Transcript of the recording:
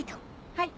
はい。